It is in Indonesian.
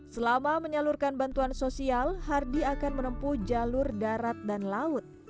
selama menyalurkan bantuan sosial hardi akan menempuh jalur darat dan laut